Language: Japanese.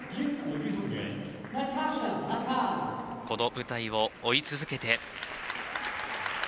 この舞台を追い続けて。